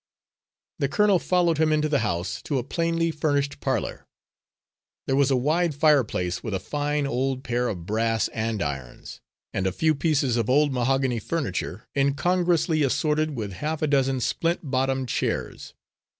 The colonel followed him into the house, to a plainly furnished parlour. There was a wide fireplace, with a fine old pair of brass andirons, and a few pieces of old mahogany furniture, incongruously assorted with half a dozen splint bottomed chairs.